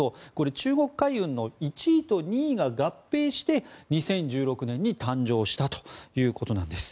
中国海運の１位と２位が合併して２０１６年に誕生したということです。